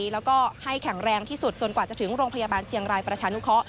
และให้แข็งแรงที่สุดจนกว่าจะถึงภยบารเจียงรายประชานุคะ